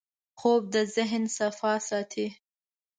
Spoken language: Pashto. خوب د ذهن صفا ساتي